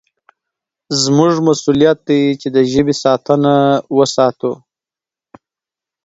زموږ مسوولیت دی چې د ژبې ساتنه وساتو.